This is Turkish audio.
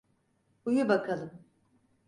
Uyu bakalım.